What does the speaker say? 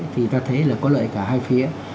thì ta thấy là có lợi cả hai phía